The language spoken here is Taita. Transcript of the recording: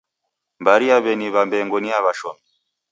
Mbari ya W'eni Wambengo ni ya w'ashomi